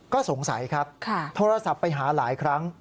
ก็สงสัยครับโทรศัพท์ไปหาหลายครั้ง